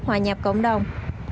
hòa nhập cộng đồng